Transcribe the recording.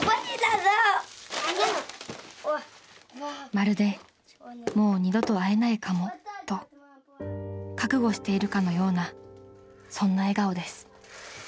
［まるでもう二度と会えないかもと覚悟しているかのようなそんな笑顔です］